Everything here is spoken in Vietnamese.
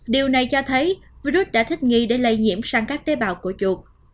điều này cho thấy virus đã thích nghi để lây nhiễm sang các tế bào của chuột